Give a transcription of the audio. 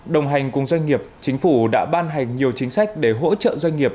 đồng hành cùng doanh nghiệp chính phủ đã ban hành nhiều chính sách để hỗ trợ doanh nghiệp